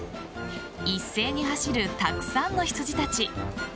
一斉に走るたくさんのヒツジたち。